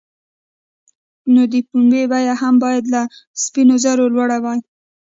نو د پنبې بیه هم باید له سپینو زرو لوړه وای.